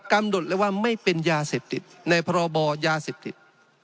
กำหนดเลยว่าไม่เป็นยาเสพติดในพรบยาเสพติด